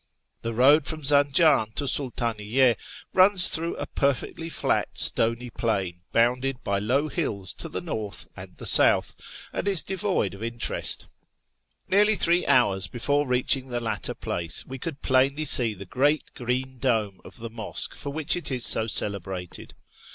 The road from Zanjan to Sultaniyye runs through a per fectly flat stony plain bounded by low hills to the north and the south, and is devoid of interest. Nearly three hours FROM TABRIZ TO TEHERAN 75 before reaching the latter place we could plainly see the great green dome of the mosque for which it is so celebrated.